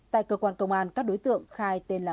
tại cơ quan công an các đối tượng khai tên là